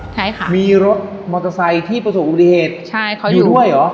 ใช่ค่ะมีรถมอเตอร์ไซค์ที่ประสบอุบัติเหตุใช่เขาอยู่ด้วยเหรอ